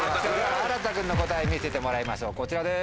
あらた君の答え見せてもらいましょうこちらです。